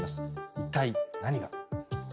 一体、何が。